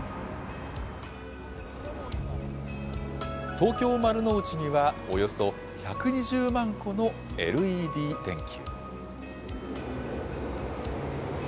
東京・丸の内には、およそ１２０万個のＬＥＤ電球。